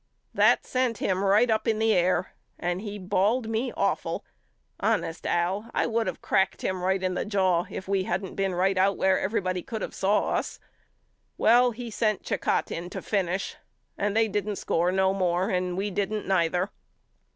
That sent him right up in the air and he bawled me awful. Honest Al I would of cracked him right in the jaw if we hadn't been right out where everybody could of saw us. Well he sent Cicotte in to finish and they didn't score no more and we didn't neither.